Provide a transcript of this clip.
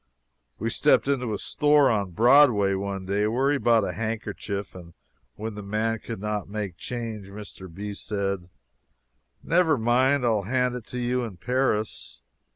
We stepped into a store on Broadway one day, where he bought a handkerchief, and when the man could not make change, Mr. B. said: "Never mind, I'll hand it to you in Paris."